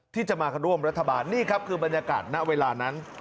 ที่จะมาร่วมรัฐบาลนี่ครับคือบรรยากาศณเวลานั้น